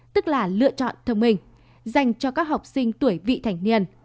tức là lựa chọn thông minh dành cho các học sinh tuổi vị thành niên